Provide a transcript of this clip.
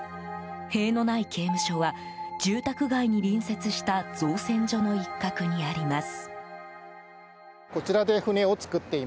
塀のない刑務所は住宅街に隣接した造船所の一角にあります。